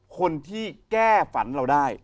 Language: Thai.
คนที่แก้ฝันเราได้